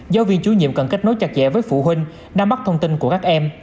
giáo viên chú nhiệm cần kết nối chặt dẻ với phụ huynh nắm mắt thông tin của các em